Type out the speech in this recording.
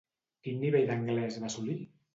Quin nivell d'anglès va assolir?